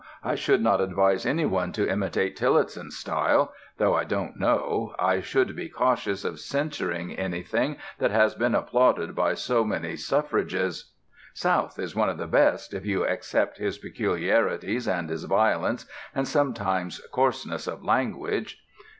I should not advise any one to imitate Tillotson's style; though I don't know; I should be cautious of censuring anything that has been applauded by so many suffrages. South is one of the best, if you except his peculiarities, and his violence, and sometimes coarseness of language.